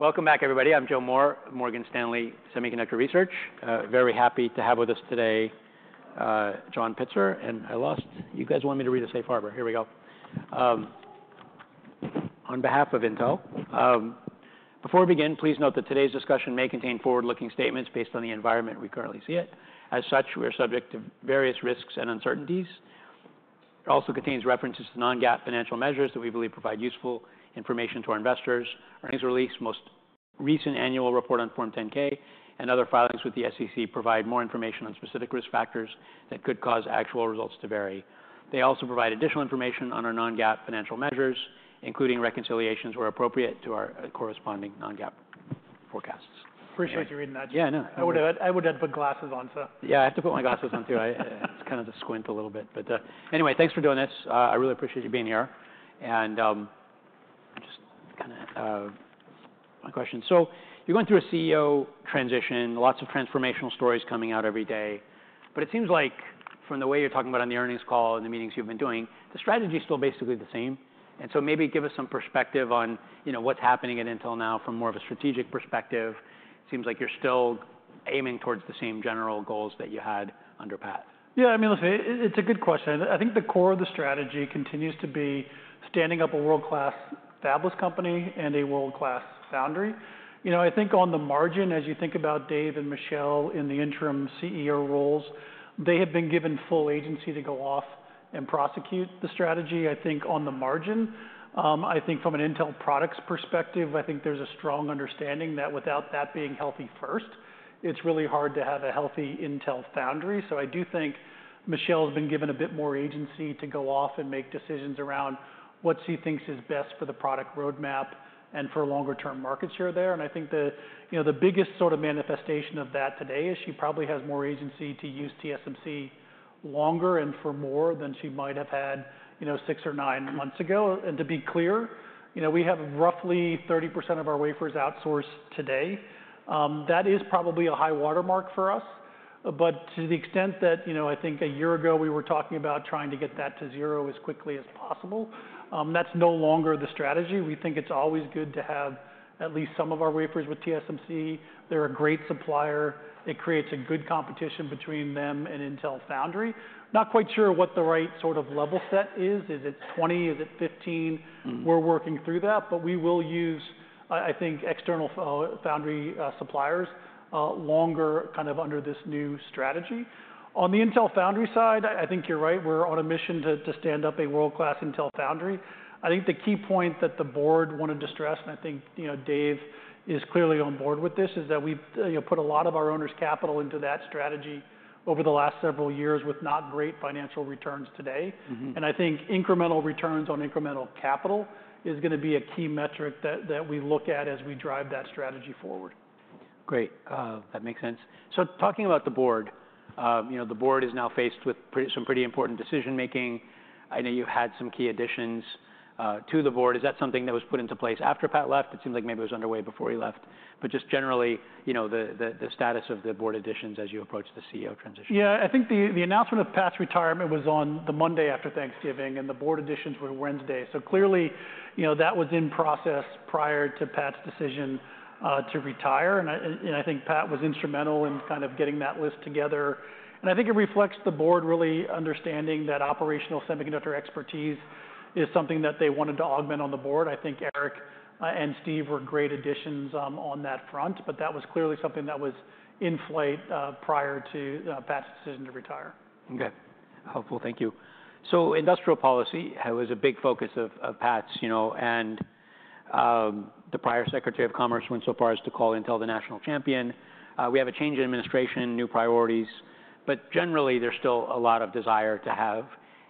Welcome back, everybody. I'm Joe Moore, Morgan Stanley Semiconductor Research. Very happy to have with us today, John Pitzer. And I lost, you guys want me to read a safe harbor. Here we go. On behalf of Intel, before we begin, please note that today's discussion may contain forward-looking statements based on the environment we currently see it. As such, we are subject to various risks and uncertainties. It also contains references to non-GAAP financial measures that we believe provide useful information to our investors. Earnings release, most recent annual report on Form 10-K, and other filings with the SEC provide more information on specific risk factors that could cause actual results to vary. They also provide additional information on our non-GAAP financial measures, including reconciliations where appropriate to our corresponding non-GAAP forecasts. Appreciate you reading that. Yeah, I know. I would have put glasses on, sir. Yeah, I have to put my glasses on too. I, it's kind of a squint a little bit. But anyway, thanks for doing this. I really appreciate you being here. And just kind of my question. So you're going through a CEO transition, lots of transformational stories coming out every day. But it seems like, from the way you're talking about on the earnings call and the meetings you've been doing, the strategy's still basically the same. And so maybe give us some perspective on, you know, what's happening at Intel now from more of a strategic perspective. It seems like you're still aiming towards the same general goals that you had under Pat. Yeah, I mean, listen, it's a good question. I think the core of the strategy continues to be standing up a world-class fabless company and a world-class foundry. You know, I think on the margin, as you think about Dave and Michelle in the interim CEO roles, they have been given full agency to go off and prosecute the strategy, I think, on the margin. I think from an Intel Products perspective, I think there's a strong understanding that without that being healthy first, it's really hard to have a healthy Intel Foundry. So I do think Michelle's been given a bit more agency to go off and make decisions around what she thinks is best for the product roadmap and for longer-term market share there. I think the, you know, the biggest sort of manifestation of that today is she probably has more agency to use TSMC longer and for more than she might have had, you know, six or nine months ago. To be clear, you know, we have roughly 30% of our wafers outsourced today. That is probably a high watermark for us. To the extent that, you know, I think a year ago we were talking about trying to get that to zero as quickly as possible, that's no longer the strategy. We think it's always good to have at least some of our wafers with TSMC. They're a great supplier. It creates a good competition between them and Intel Foundry. Not quite sure what the right sort of level set is. Is it 20? Is it 15? Mm-hmm. We're working through that. But we will use, I think, external foundry suppliers longer kind of under this new strategy. On the Intel Foundry side, I think you're right. We're on a mission to stand up a world-class Intel Foundry. I think the key point that the board wanted to stress, and I think, you know, Dave is clearly on board with this, is that we've, you know, put a lot of our owner's capital into that strategy over the last several years with not great financial returns today. Mm-hmm. I think incremental returns on incremental capital is gonna be a key metric that we look at as we drive that strategy forward. Great. That makes sense, so talking about the board, you know, the board is now faced with some pretty important decision-making. I know you had some key additions to the board. Is that something that was put into place after Pat left? It seemed like maybe it was underway before he left, but just generally, you know, the status of the board additions as you approach the CEO transition. Yeah, I think the announcement of Pat's retirement was on the Monday after Thanksgiving, and the board additions were Wednesday. So clearly, you know, that was in process prior to Pat's decision to retire. And I think Pat was instrumental in kind of getting that list together. And I think it reflects the board really understanding that operational semiconductor expertise is something that they wanted to augment on the board. I think Eric and Steve were great additions on that front. But that was clearly something that was in flight prior to Pat's decision to retire. Okay. Helpful. Thank you. So industrial policy was a big focus of Pat's, you know, and the prior secretary of commerce went so far as to call Intel the national champion. We have a change in administration, new priorities. But generally, there's still a lot of desire to have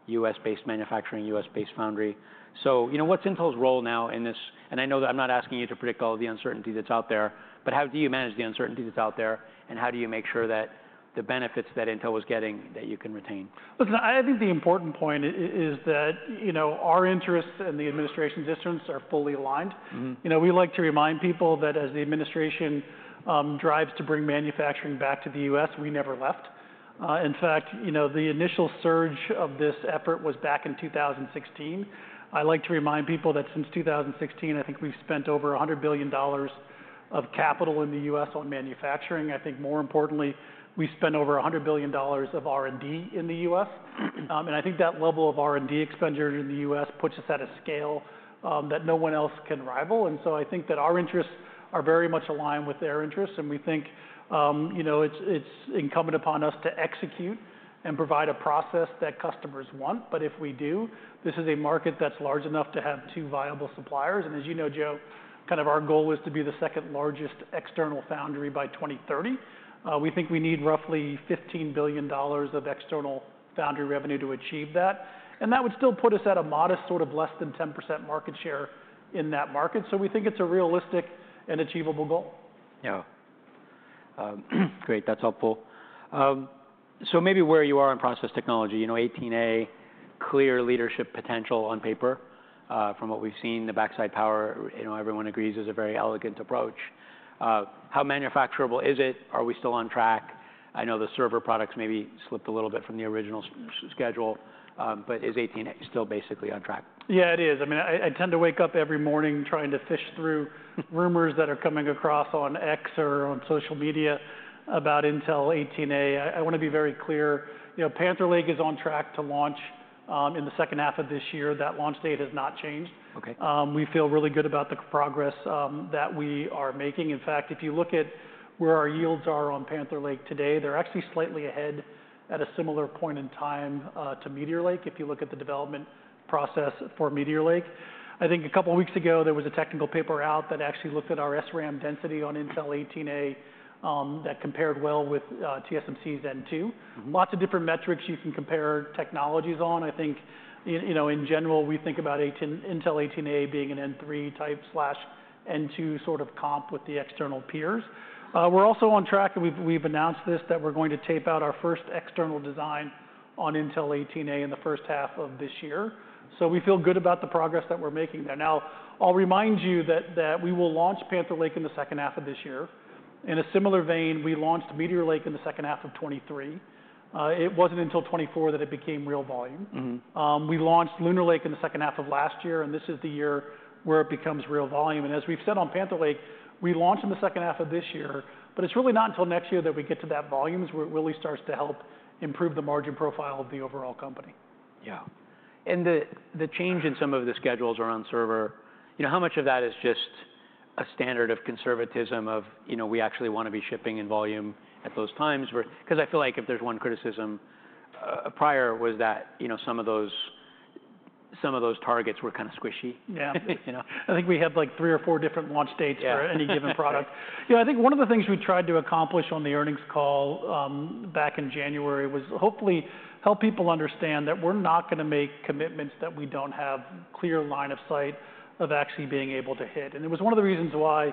U.S.-based manufacturing, U.S.-based foundry. So, you know, what's Intel's role now in this? And I know that I'm not asking you to predict all of the uncertainty that's out there, but how do you manage the uncertainty that's out there? And how do you make sure that the benefits that Intel was getting, that you can retain? Listen, I think the important point is that, you know, our interests and the administration's interests are fully aligned. Mm-hmm. You know, we like to remind people that as the administration drives to bring manufacturing back to the U.S., we never left. In fact, you know, the initial surge of this effort was back in 2016. I like to remind people that since 2016, I think we've spent over $100 billion of capital in the U.S. on manufacturing. I think more importantly, we spent over $100 billion of R&D in the U.S. and I think that level of R&D expenditure in the U.S. puts us at a scale that no one else can rival. And so I think that our interests are very much aligned with their interests. And we think, you know, it's incumbent upon us to execute and provide a process that customers want. But if we do, this is a market that's large enough to have two viable suppliers. As you know, Joe, kind of our goal is to be the second largest external foundry by 2030. We think we need roughly $15 billion of external foundry revenue to achieve that. And that would still put us at a modest sort of less than 10% market share in that market. So we think it's a realistic and achievable goal. Yeah. Great. That's helpful. So maybe where you are in process technology, you know, 18A, clear leadership potential on paper, from what we've seen, the backside power, you know, everyone agrees is a very elegant approach. How manufacturable is it? Are we still on track? I know the server products maybe slipped a little bit from the original schedule. But is 18A still basically on track? Yeah, it is. I mean, I tend to wake up every morning trying to fish through rumors that are coming across on X or on social media about Intel 18A. I wanna be very clear. You know, Panther Lake is on track to launch in the second half of this year. That launch date has not changed. Okay. We feel really good about the progress that we are making. In fact, if you look at where our yields are on Panther Lake today, they're actually slightly ahead at a similar point in time to Meteor Lake. If you look at the development process for Meteor Lake, I think a couple weeks ago there was a technical paper out that actually looked at our SRAM density on Intel 18A that compared well with TSMC's N2. Mm-hmm. Lots of different metrics you can compare technologies on. I think, you know, in general, we think about Intel 18A being an N3 type/N2 sort of comp with the external peers. We're also on track, and we've announced this, that we're going to tape out our first external design on Intel 18A in the first half of this year. So we feel good about the progress that we're making there. Now, I'll remind you that we will launch Panther Lake in the second half of this year. In a similar vein, we launched Meteor Lake in the second half of 2023. It wasn't until 2024 that it became real volume. Mm-hmm. We launched Lunar Lake in the second half of last year, and this is the year where it becomes real volume. And as we've said on Panther Lake, we launch in the second half of this year, but it's really not until next year that we get to that volume, is where it really starts to help improve the margin profile of the overall company. Yeah, and the change in some of the schedules around server, you know, how much of that is just a standard of conservatism of, you know, we actually wanna be shipping in volume at those times? Because I feel like if there's one criticism, prior was that, you know, some of those, some of those targets were kind of squishy. Yeah. You know, I think we had like three or four different launch dates for any given product. Yeah. You know, I think one of the things we tried to accomplish on the earnings call back in January was hopefully help people understand that we're not gonna make commitments that we don't have a clear line of sight of actually being able to hit. And it was one of the reasons why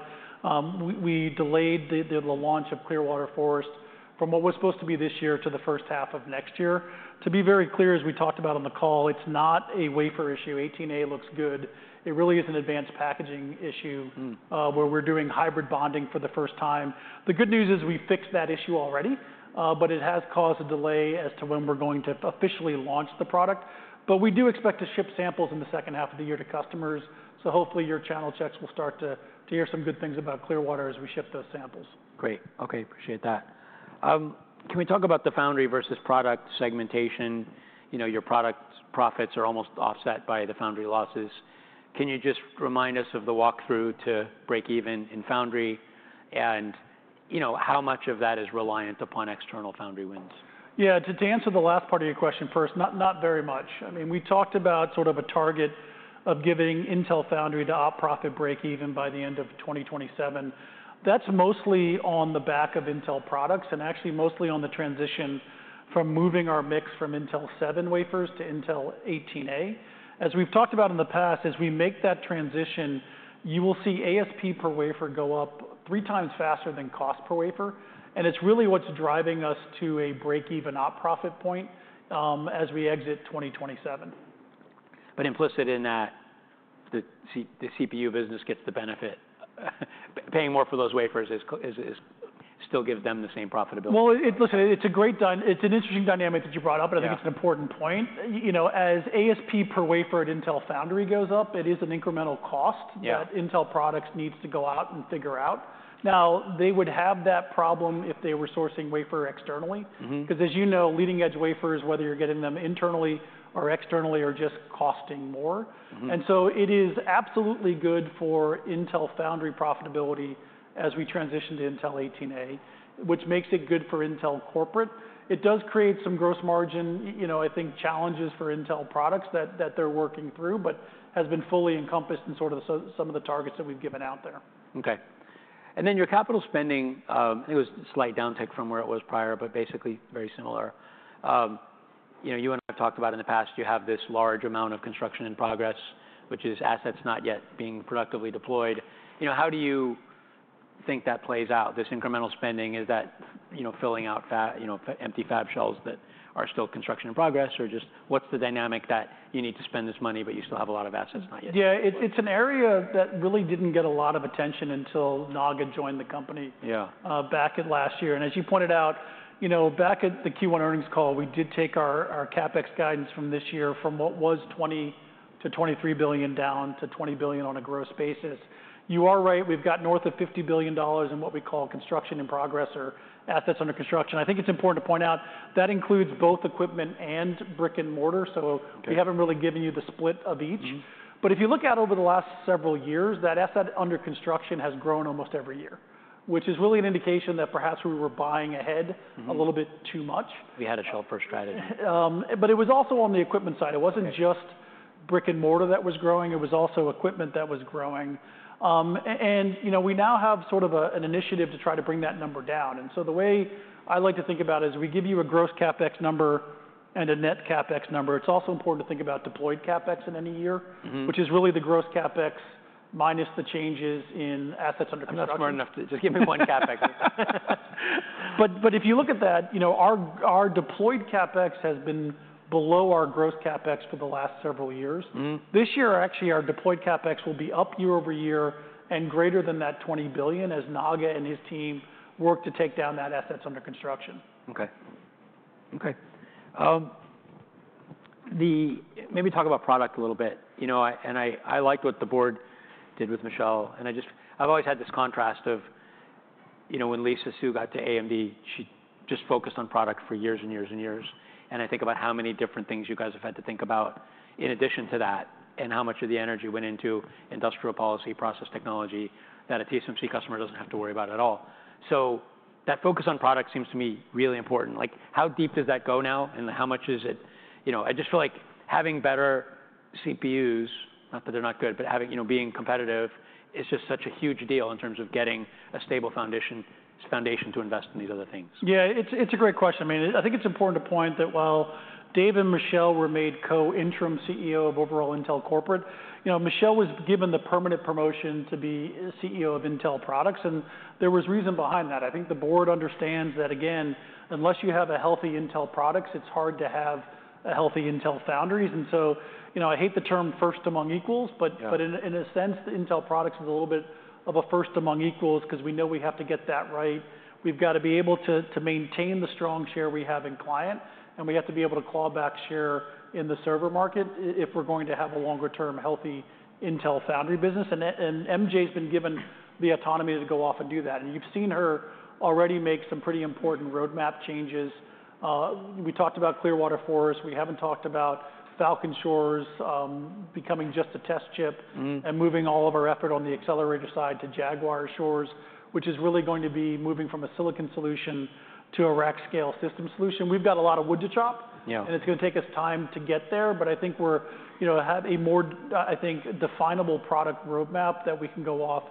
we delayed the launch of Clearwater Forest from what was supposed to be this year to the first half of next year. To be very clear, as we talked about on the call, it's not a wafer issue. 18A looks good. It really is an advanced packaging issue. Mm-hmm. Where we're doing hybrid bonding for the first time. The good news is we fixed that issue already. But it has caused a delay as to when we're going to officially launch the product. But we do expect to ship samples in the second half of the year to customers. So hopefully your channel checks will start to hear some good things about Clearwater as we ship those samples. Great. Okay. Appreciate that. Can we talk about the foundry versus product segmentation? You know, your product profits are almost offset by the foundry losses. Can you just remind us of the walkthrough to break even in foundry and, you know, how much of that is reliant upon external foundry wins? Yeah. To answer the last part of your question first, not very much. I mean, we talked about sort of a target of giving Intel Foundry to op profit break-even by the end of 2027. That's mostly on the back of Intel Products and actually mostly on the transition from moving our mix from Intel 7 wafers to Intel 18A. As we've talked about in the past, as we make that transition, you will see ASP per wafer go up three times faster than cost per wafer. And it's really what's driving us to a break-even op profit point, as we exit 2027. But implicit in that the CPU business gets the benefit, paying more for those wafers is still gives them the same profitability. It's an interesting dynamic that you brought up. Yeah. But I think it's an important point. You know, as ASP per wafer at Intel Foundry goes up, it is an incremental cost. Yeah. That Intel Products need to go out and figure out. Now, they would have that problem if they were sourcing wafer externally. Mm-hmm. Because as you know, leading-edge wafers, whether you're getting them internally or externally, are just costing more. Mm-hmm. And so it is absolutely good for Intel Foundry profitability as we transition to Intel 18A, which makes it good for Intel Corporate. It does create some gross margin, you know, I think challenges for Intel Products that they're working through, but has been fully encompassed in sort of some of the targets that we've given out there. Okay. And then your capital spending, I think it was slight downtick from where it was prior, but basically very similar. You know, you and I have talked about in the past, you have this large amount of construction in progress, which is assets not yet being productively deployed. You know, how do you think that plays out? This incremental spending, is that, you know, filling out fab, you know, empty fab shells that are still construction in progress, or just what's the dynamic that you need to spend this money, but you still have a lot of assets not yet? Yeah. It's, it's an area that really didn't get a lot of attention until Naga joined the company. Yeah. Back in last year. And as you pointed out, you know, back at the Q1 earnings call, we did take our CapEx guidance from this year from what was $20 billion-$23 billion down to $20 billion on a gross basis. You are right. We've got north of $50 billion in what we call construction in progress or assets under construction. I think it's important to point out that includes both equipment and brick and mortar. So. Okay. We haven't really given you the split of each. Mm-hmm. But if you look at over the last several years, that asset under construction has grown almost every year, which is really an indication that perhaps we were buying ahead. Mm-hmm. A little bit too much. We had a Shell-first strategy. but it was also on the equipment side. Mm-hmm. It wasn't just brick and mortar that was growing. It was also equipment that was growing. And, you know, we now have sort of an initiative to try to bring that number down. And so the way I like to think about it is we give you a gross CapEx number and a net CapEx number. It's also important to think about deployed CapEx in any year. Mm-hmm. Which is really the gross CapEx minus the changes in assets under construction. That's more than enough to just give me one CapEx. But if you look at that, you know, our deployed CapEx has been below our gross CapEx for the last several years. Mm-hmm. This year, actually, our deployed CapEx will be up year-over-year and greater than that $20 billion as Naga and his team work to take down those assets under construction. Okay. Maybe talk about product a little bit. You know, I liked what the board did with Michelle. And I just, I've always had this contrast of, you know, when Lisa Su got to AMD, she just focused on product for years and years and years. And I think about how many different things you guys have had to think about in addition to that and how much of the energy went into industrial policy, process technology that a TSMC customer doesn't have to worry about at all. So that focus on product seems to me really important. Like, how deep does that go now? How much is it, you know? I just feel like having better CPUs, not that they're not good, but having, you know, being competitive is just such a huge deal in terms of getting a stable foundation to invest in these other things. Yeah. It's a great question. I mean, I think it's important to point that while Dave and Michelle were made co-interim CEO of overall Intel corporate, you know, Michelle was given the permanent promotion to be CEO of Intel Products. And there was reason behind that. I think the board understands that, again, unless you have a healthy Intel Products, it's hard to have a healthy Intel Foundry. And so, you know, I hate the term first among equals, but. Yeah. But in a sense, the Intel Products is a little bit of a first among equals because we know we have to get that right. We've got to be able to maintain the strong share we have in client, and we have to be able to claw back share in the server market if we're going to have a longer-term healthy Intel Foundry business. And MJ's been given the autonomy to go off and do that. And you've seen her already make some pretty important roadmap changes. We talked about Clearwater Forest. We haven't talked about Falcon Shores, becoming just a test chip. Mm-hmm. Moving all of our effort on the accelerator side to Jaguar Shores, which is really going to be moving from a silicon solution to a rack scale system solution. We've got a lot of wood to chop. Yeah. And it's gonna take us time to get there. But I think we're, you know, have a more, I think, definable product roadmap that we can go off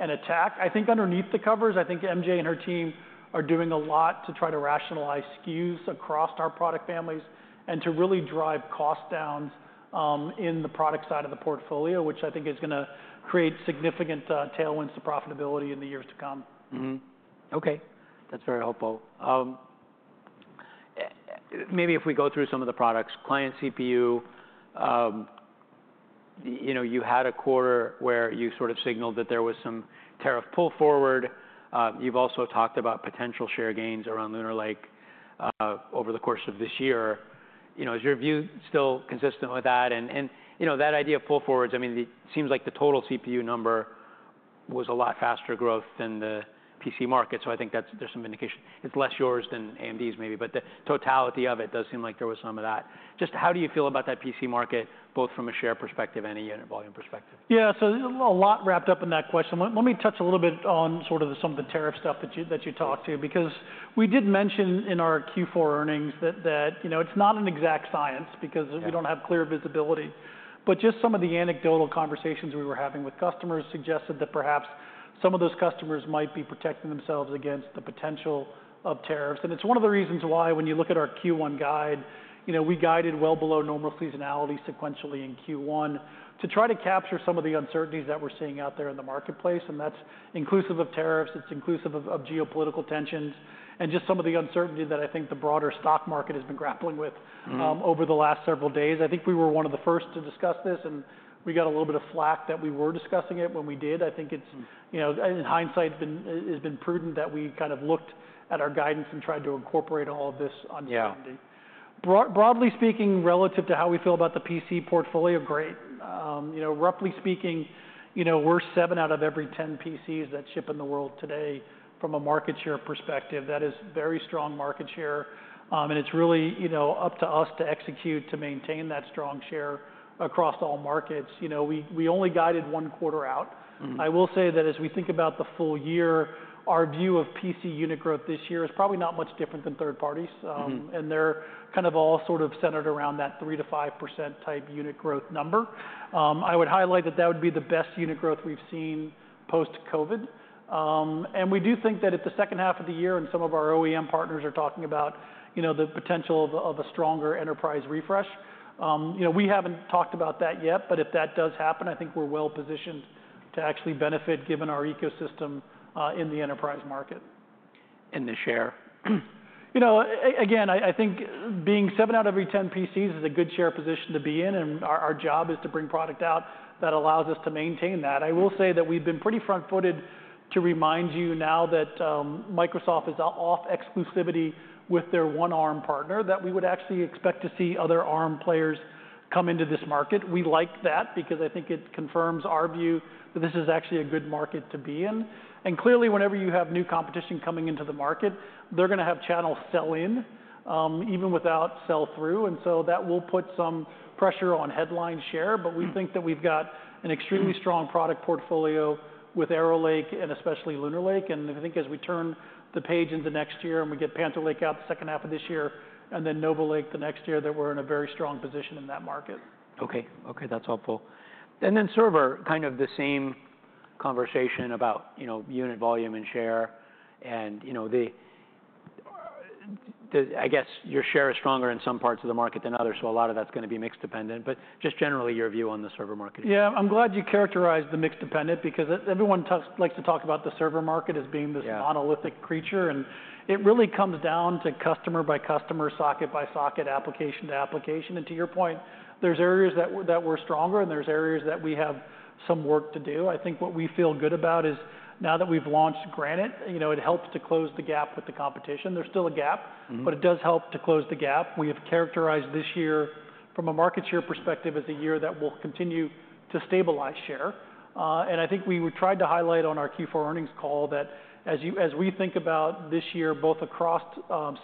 and attack. I think underneath the covers, I think MJ and her team are doing a lot to try to rationalize SKUs across our product families and to really drive cost downs in the product side of the portfolio, which I think is gonna create significant tailwinds to profitability in the years to come. Mm-hmm. Okay. That's very helpful. Maybe if we go through some of the products, client CPU, you know, you had a quarter where you sort of signaled that there was some tariff pull forward. You've also talked about potential share gains around Lunar Lake, over the course of this year. You know, is your view still consistent with that? And you know, that idea of pull forwards, I mean, it seems like the total CPU number was a lot faster growth than the PC market. So I think that's, there's some indication it's less yours than AMD's maybe, but the totality of it does seem like there was some of that. Just how do you feel about that PC market, both from a share perspective and a unit volume perspective? Yeah. So a lot wrapped up in that question. Let me touch a little bit on sort of the, some of the tariff stuff that you talked to, because we did mention in our Q4 earnings that you know, it's not an exact science because we don't have clear visibility. But just some of the anecdotal conversations we were having with customers suggested that perhaps some of those customers might be protecting themselves against the potential of tariffs. And it's one of the reasons why when you look at our Q1 guide, you know, we guided well below normal seasonality sequentially in Q1 to try to capture some of the uncertainties that we're seeing out there in the marketplace. And that's inclusive of tariffs. It's inclusive of geopolitical tensions and just some of the uncertainty that I think the broader stock market has been grappling with. Mm-hmm. Over the last several days. I think we were one of the first to discuss this, and we got a little bit of flak that we were discussing it when we did. I think it's, you know, in hindsight, it's been prudent that we kind of looked at our guidance and tried to incorporate all of this onto AMD. Yeah. Broadly speaking, relative to how we feel about the PC portfolio, great. You know, roughly speaking, you know, we're seven out of every 10 PCs that ship in the world today from a market share perspective. That is very strong market share, and it's really, you know, up to us to execute to maintain that strong share across all markets. You know, we only guided one quarter out. Mm-hmm. I will say that as we think about the full year, our view of PC unit growth this year is probably not much different than third parties. Mm-hmm. And they're kind of all sort of centered around that 3%-5% type unit growth number. I would highlight that that would be the best unit growth we've seen post-COVID. And we do think that in the second half of the year, and some of our OEM partners are talking about, you know, the potential of a stronger enterprise refresh. You know, we haven't talked about that yet, but if that does happen, I think we're well positioned to actually benefit given our ecosystem in the enterprise market. In the share? You know, again, I think being seven out of every 10 PCs is a good share position to be in. And our job is to bring product out that allows us to maintain that. I will say that we've been pretty front-footed to remind you now that Microsoft is off exclusivity with their one Arm partner, that we would actually expect to see other Arm players come into this market. We like that because I think it confirms our view that this is actually a good market to be in. And clearly, whenever you have new competition coming into the market, they're gonna have channel sell-in, even without sell-through. And so that will put some pressure on headline share. But we think that we've got an extremely strong product portfolio with Arrow Lake and especially Lunar Lake. I think as we turn the page into next year and we get Panther Lake out the second half of this year and then Nova Lake the next year, that we're in a very strong position in that market. Okay. Okay. That's helpful. And then server, kind of the same conversation about, you know, unit volume and share. And, you know, the, the, I guess your share is stronger in some parts of the market than others. So a lot of that's gonna be mixed dependent. But just generally, your view on the server market? Yeah. I'm glad you characterized the mixed dependent because everyone talks, likes to talk about the server market as being this. Yeah. Monolithic architecture. It really comes down to customer by customer, socket by socket, application to application. To your point, there are areas that were stronger, and there are areas that we have some work to do. I think what we feel good about is now that we've launched Granite, you know, it helps to close the gap with the competition. There's still a gap. Mm-hmm. But it does help to close the gap. We have characterized this year from a market share perspective as a year that will continue to stabilize share. And I think we would try to highlight on our Q4 earnings call that as you, as we think about this year, both across,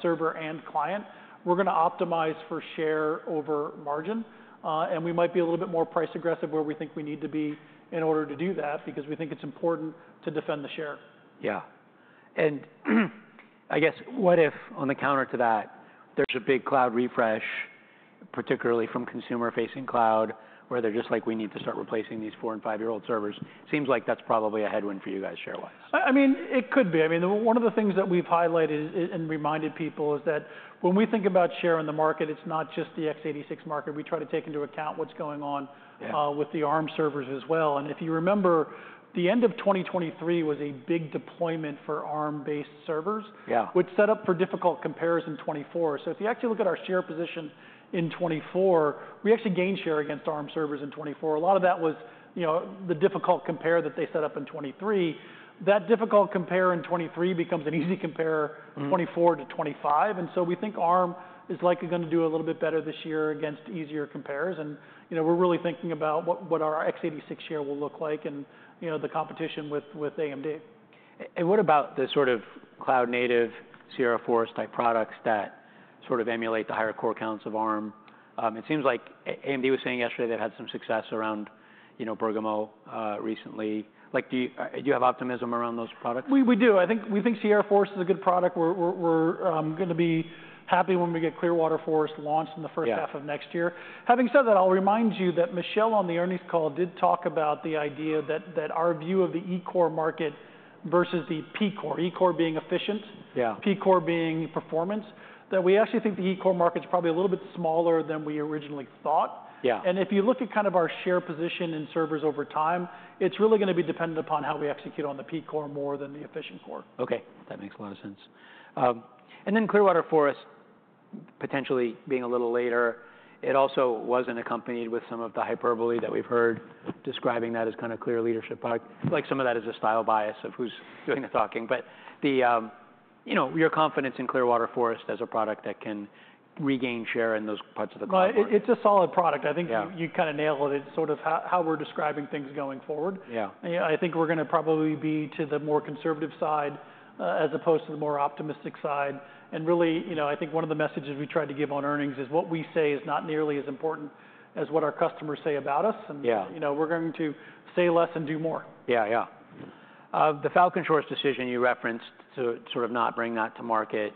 server and client, we're gonna optimize for share over margin. And we might be a little bit more price aggressive where we think we need to be in order to do that because we think it's important to defend the share. Yeah. And I guess what if on the counter to that, there's a big cloud refresh, particularly from consumer-facing cloud, where they're just like, "We need to start replacing these four and five-year-old servers." Seems like that's probably a headwind for you guys share-wise. I mean, it could be. I mean, one of the things that we've highlighted and reminded people is that when we think about share in the market, it's not just the x86 market. We try to take into account what's going on. Yeah. with the Arm servers as well. And if you remember, the end of 2023 was a big deployment for Arm-based servers. Yeah. Which set up for difficult compare in 2024. So if you actually look at our share position in 2024, we actually gained share against Arm servers in 2024. A lot of that was, you know, the difficult compare that they set up in 2023. That difficult compare in 2023 becomes an easy compare. Mm-hmm. In 2024 to 2025. And so we think Arm is likely gonna do a little bit better this year against easier compares. And, you know, we're really thinking about what, what our x86 share will look like and, you know, the competition with, with AMD. What about the sort of cloud-native Sierra Forest-type products that sort of emulate the higher core counts of Arm? It seems like AMD was saying yesterday they've had some success around, you know, Bergamo, recently. Like, do you have optimism around those products? We do. I think we think Sierra Forest is a good product. We're gonna be happy when we get Clearwater Forest launched in the first half of next year. Yeah. Having said that, I'll remind you that Michelle on the earnings call did talk about the idea that our view of the E-core market versus the P-core, E-core being efficient. Yeah. P-core being performance, that we actually think the E-core market's probably a little bit smaller than we originally thought. Yeah. If you look at kind of our share position in servers over time, it's really gonna be dependent upon how we execute on the P-core more than the E-core. Okay. That makes a lot of sense, and then Clearwater Forest potentially being a little later, it also wasn't accompanied with some of the hyperbole that we've heard describing that as kind of clear leadership product. Like, some of that is a style bias of who's doing the talking. But the, you know, your confidence in Clearwater Forest as a product that can regain share in those parts of the cloud. It's a solid product. I think you kind of nailed it. It's sort of how we're describing things going forward. Yeah. I think we're gonna probably be to the more conservative side, as opposed to the more optimistic side. Really, you know, I think one of the messages we tried to give on earnings is what we say is not nearly as important as what our customers say about us. Yeah. You know, we're going to say less and do more. Yeah. Yeah. The Falcon Shores decision you referenced to sort of not bring that to market.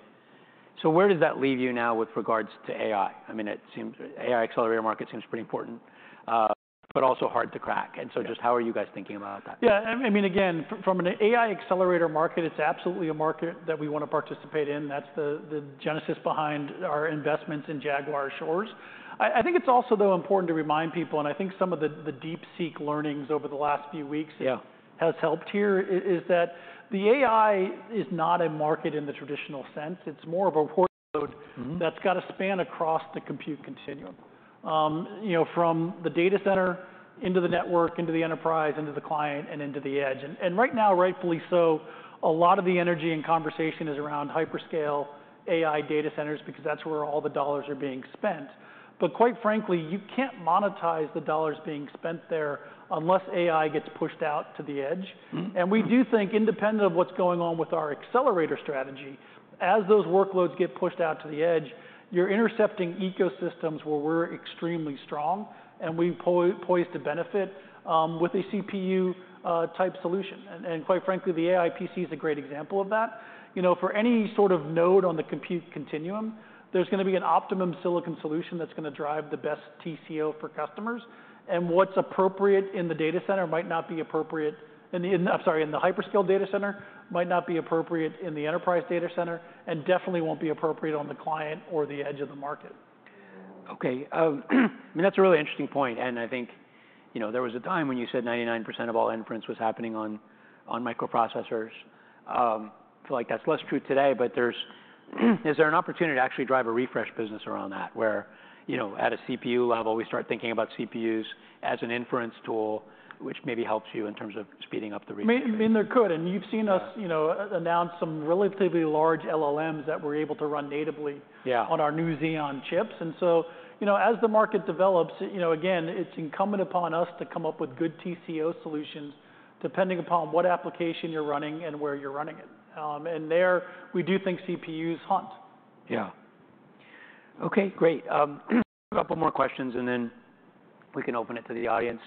So where does that leave you now with regards to AI? I mean, it seems the AI accelerator market seems pretty important, but also hard to crack. And so just how are you guys thinking about that? Yeah. I mean, again, from an AI accelerator market, it's absolutely a market that we wanna participate in. That's the genesis behind our investments in Jaguar Shores. I think it's also, though, important to remind people, and I think some of the DeepSeek learnings over the last few weeks. Yeah. Has helped here is that the AI is not a market in the traditional sense. It's more of a workload. Mm-hmm. That's gotta span across the compute continuum. You know, from the data center into the network, into the enterprise, into the client, and into the edge. And right now, rightfully so, a lot of the energy and conversation is around hyperscale AI data centers because that's where all the dollars are being spent. But quite frankly, you can't monetize the dollars being spent there unless AI gets pushed out to the edge. Mm-hmm. We do think independent of what's going on with our accelerator strategy, as those workloads get pushed out to the edge, you're intercepting ecosystems where we're extremely strong and we poised to benefit, with a CPU-type solution. And quite frankly, the AI PC is a great example of that. You know, for any sort of node on the compute continuum, there's gonna be an optimum silicon solution that's gonna drive the best TCO for customers. And what's appropriate in the data center might not be appropriate in the hyperscale data center, I'm sorry, might not be appropriate in the enterprise data center and definitely won't be appropriate on the client or the edge of the market. Okay. I mean, that's a really interesting point. And I think, you know, there was a time when you said 99% of all inference was happening on microprocessors. I feel like that's less true today, but is there an opportunity to actually drive a refresh business around that where, you know, at a CPU level, we start thinking about CPUs as an inference tool, which maybe helps you in terms of speeding up the refresh? Mainly could. And you've seen us, you know, announce some relatively large LLMs that we're able to run natively. Yeah. On our new Xeon chips. And so, you know, as the market develops, you know, again, it's incumbent upon us to come up with good TCO solutions depending upon what application you're running and where you're running it and there we do think CPUs hunt. Yeah. Okay. Great. A couple more questions, and then we can open it to the audience.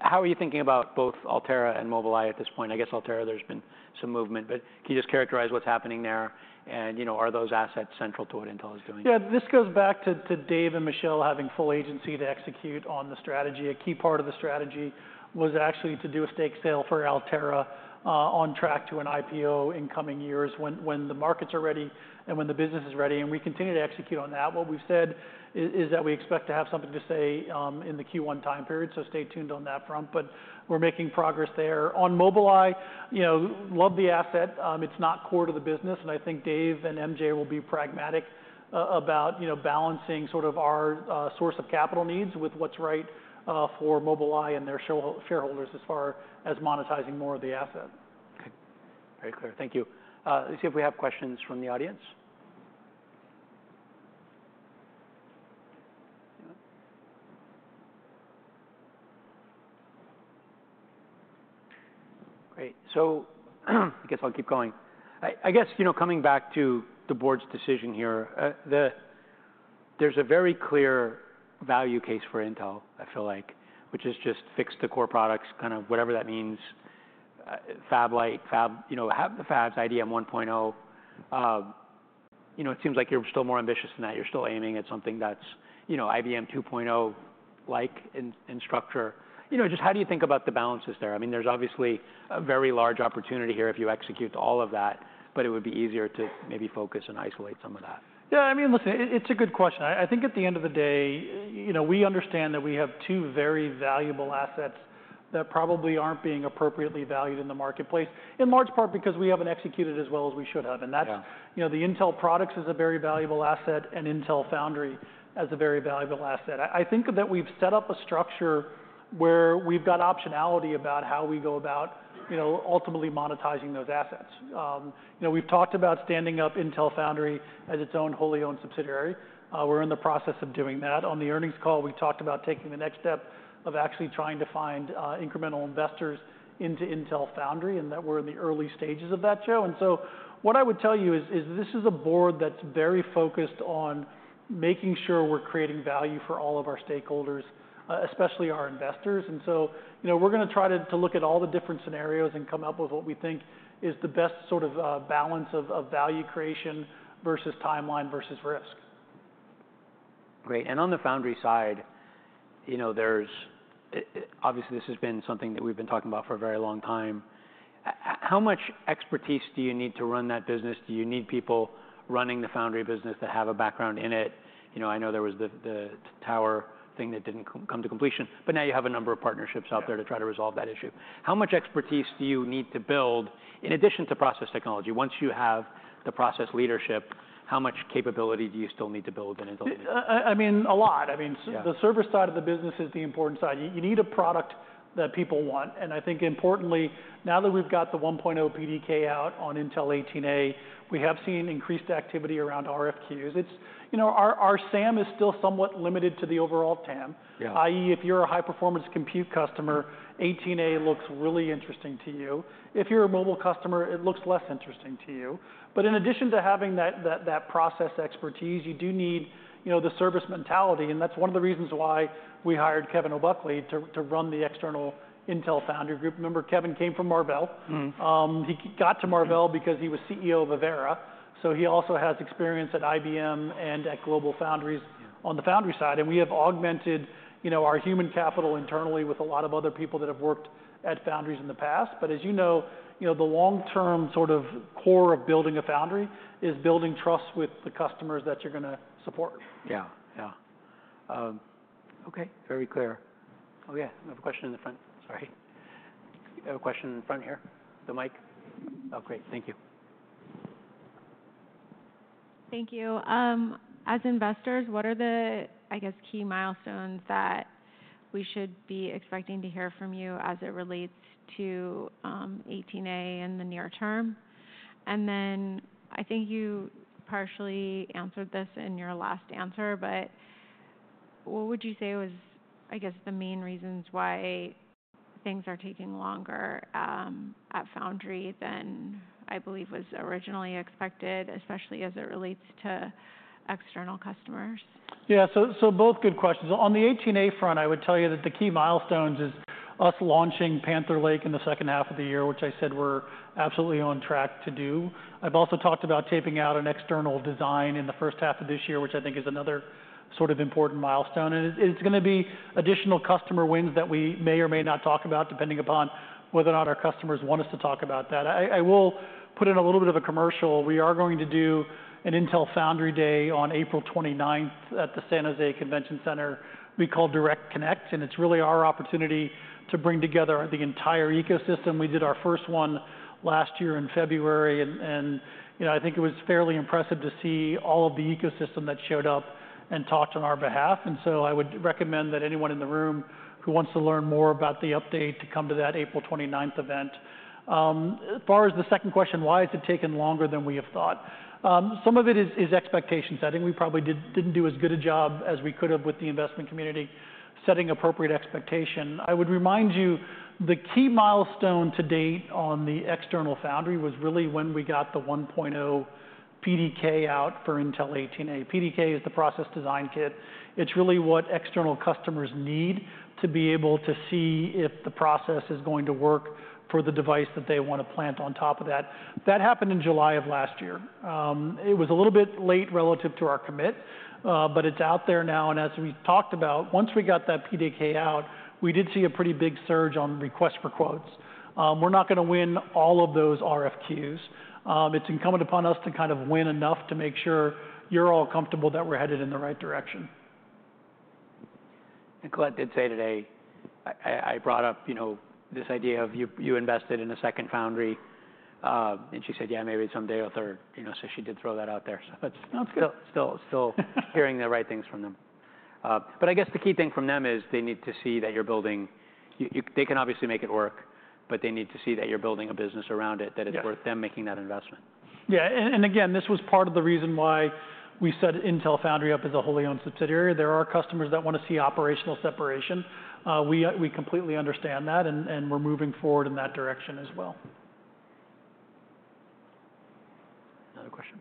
How are you thinking about both Altera and Mobileye at this point? I guess Altera, there's been some movement, but can you just characterize what's happening there? And, you know, are those assets central to what Intel is doing? Yeah. This goes back to Dave and Michelle having full agency to execute on the strategy. A key part of the strategy was actually to do a stake sale for Altera, on track to an IPO in coming years when the market's ready and when the business is ready. And we continue to execute on that. What we've said is that we expect to have something to say in the Q1 time period. So stay tuned on that front. But we're making progress there. On Mobileye, you know, love the asset. It's not core to the business. And I think Dave and MJ will be pragmatic about, you know, balancing sort of our sources of capital needs with what's right for Mobileye and their shareholders as far as monetizing more of the asset. Okay. Very clear. Thank you. Let's see if we have questions from the audience. Great. So I guess I'll keep going. I guess, you know, coming back to the board's decision here, there's a very clear value case for Intel, I feel like, which is just fix the core products, kind of whatever that means, fab-lite, fab, you know, have the fabs, Intel 1.0. You know, it seems like you're still more ambitious than that. You're still aiming at something that's, you know, Intel 2.0-like in structure. You know, just how do you think about the balances there? I mean, there's obviously a very large opportunity here if you execute all of that, but it would be easier to maybe focus and isolate some of that. Yeah. I mean, listen, it's a good question. I, I think at the end of the day, you know, we understand that we have two very valuable assets that probably aren't being appropriately valued in the marketplace in large part because we haven't executed as well as we should have. And that's. Yeah. You know, the Intel Products is a very valuable asset and Intel Foundry as a very valuable asset. I think that we've set up a structure where we've got optionality about how we go about, you know, ultimately monetizing those assets. You know, we've talked about standing up Intel Foundry as its own wholly owned subsidiary. We're in the process of doing that. On the earnings call, we talked about taking the next step of actually trying to find incremental investors into Intel Foundry and that we're in the early stages of that, Joe. And so what I would tell you is, this is a board that's very focused on making sure we're creating value for all of our stakeholders, especially our investors. You know, we're gonna try to look at all the different scenarios and come up with what we think is the best sort of balance of value creation versus timeline versus risk. Great. And on the Foundry side, you know, there's, obviously this has been something that we've been talking about for a very long time. How much expertise do you need to run that business? Do you need people running the Foundry business that have a background in it? You know, I know there was the Tower thing that didn't come to completion, but now you have a number of partnerships out there to try to resolve that issue. How much expertise do you need to build in addition to process technology? Once you have the process leadership, how much capability do you still need to build in Intel? I mean, a lot. I mean. Yeah. The server side of the business is the important side. You need a product that people want. And I think importantly, now that we've got the 1.0 PDK out on Intel 18A, we have seen increased activity around RFQs. It's, you know, our SAM is still somewhat limited to the overall TAM. Yeah. I.e., if you're a high-performance compute customer, 18A looks really interesting to you. If you're a mobile customer, it looks less interesting to you. But in addition to having that process expertise, you do need, you know, the service mentality. And that's one of the reasons why we hired Kevin O'Buckley to run the external Intel Foundry group. Remember, Kevin came from Marvell. Mm-hmm. he got to Marvell because he was CEO of Avera. So he also has experience at IBM and at GlobalFoundries. Yeah. On the Foundry side, and we have augmented, you know, our human capital internally with a lot of other people that have worked at Foundries in the past. But as you know, you know, the long-term sort of core of building a Foundry is building trust with the customers that you're gonna support. Yeah. Yeah. Okay. Very clear. Oh, yeah. We have a question in the front. Sorry. You have a question in front here, the mic? Oh, great. Thank you. Thank you. As investors, what are the, I guess, key milestones that we should be expecting to hear from you as it relates to 18A in the near term? And then I think you partially answered this in your last answer, but what would you say was, I guess, the main reasons why things are taking longer at Foundry than I believe was originally expected, especially as it relates to external customers? Yeah. So both good questions. On the 18A front, I would tell you that the key milestones is us launching Panther Lake in the second half of the year, which I said we're absolutely on track to do. I've also talked about taping out an external design in the first half of this year, which I think is another sort of important milestone. And it's gonna be additional customer wins that we may or may not talk about depending upon whether or not our customers want us to talk about that. I will put in a little bit of a commercial. We are going to do an Intel Foundry Day on April 29th at the San Jose Convention Center. We call it Direct Connect. And it's really our opportunity to bring together the entire ecosystem. We did our first one last year in February. You know, I think it was fairly impressive to see all of the ecosystem that showed up and talked on our behalf. So I would recommend that anyone in the room who wants to learn more about the update to come to that April 29th event. As far as the second question, why has it taken longer than we have thought? Some of it is expectation setting. We probably didn't do as good a job as we could have with the investment community setting appropriate expectation. I would remind you the key milestone to date on the external foundry was really when we got the 1.0 PDK out for Intel 18A. PDK is the process design kit. It's really what external customers need to be able to see if the process is going to work for the device that they wanna plant on top of that. That happened in July of last year. It was a little bit late relative to our commit, but it's out there now. And as we talked about, once we got that PDK out, we did see a pretty big surge on request for quotes. We're not gonna win all of those RFQs. It's incumbent upon us to kind of win enough to make sure you're all comfortable that we're headed in the right direction. Colette did say today, I brought up, you know, this idea of you invested in a second Foundry. And she said, "Yeah, maybe someday or third," you know, so she did throw that out there. So that's good. Still hearing the right things from them. But I guess the key thing from them is they need to see that you're building, they can obviously make it work, but they need to see that you're building a business around it, that it's worth them making that investment. Yeah. And again, this was part of the reason why we set Intel Foundry up as a wholly owned subsidiary. There are customers that wanna see operational separation. We completely understand that and we're moving forward in that direction as well. Another question.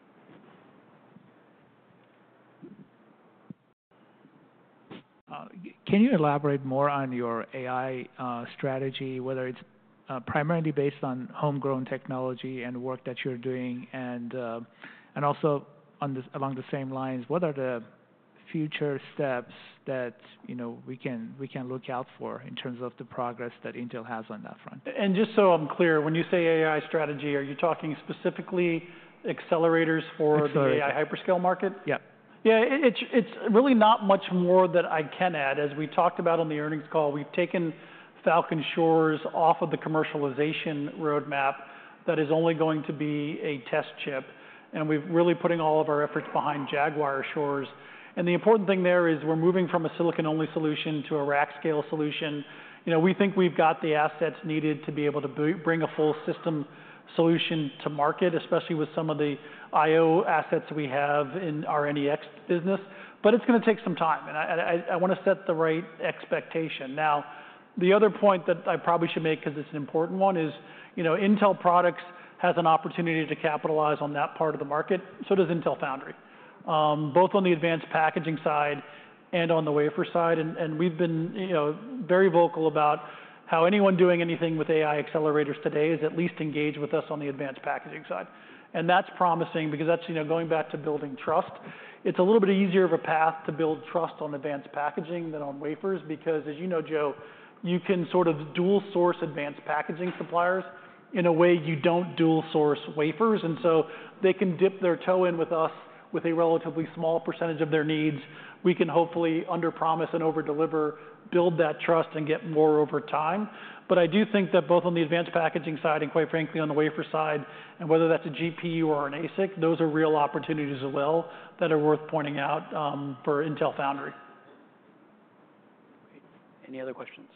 Can you elaborate more on your AI strategy, whether it's primarily based on homegrown technology and work that you're doing, and also, along the same lines, what are the future steps that, you know, we can look out for in terms of the progress that Intel has on that front? Just so I'm clear, when you say AI strategy, are you talking specifically accelerators for the AI hyperscale market? Absolutely. Yeah. Yeah. It's really not much more that I can add. As we talked about on the earnings call, we've taken Falcon Shores off of the commercialization roadmap. That is only going to be a test chip. And we've really put all of our efforts behind Jaguar Shores. And the important thing there is we're moving from a silicon-only solution to a rack scale solution. You know, we think we've got the assets needed to be able to bring a full system solution to market, especially with some of the IO assets we have in our NEX business. But it's gonna take some time. And I wanna set the right expectation. Now, the other point that I probably should make, 'cause it's an important one, is, you know, Intel Products has an opportunity to capitalize on that part of the market. So does Intel Foundry, both on the advanced packaging side and on the wafer side. And we've been, you know, very vocal about how anyone doing anything with AI accelerators today is at least engaged with us on the advanced packaging side. And that's promising because that's, you know, going back to building trust. It's a little bit easier of a path to build trust on advanced packaging than on wafers because, as you know, Joe, you can sort of dual source advanced packaging suppliers in a way you don't dual source wafers. And so they can dip their toe in with us with a relatively small percentage of their needs. We can hopefully under-promise and over-deliver, build that trust, and get more over time. But I do think that both on the advanced packaging side and quite frankly on the wafer side, and whether that's a GPU or an ASIC, those are real opportunities as well that are worth pointing out, for Intel Foundry. Great. Any other questions?